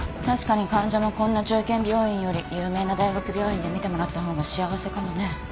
確かに患者もこんな中堅病院より有名な大学病院で診てもらった方が幸せかもね。